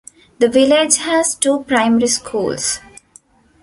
The village has two primary schools.